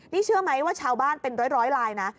นี่เชื่อไหมว่าชาวบ้านเป็นร้อยลายนะ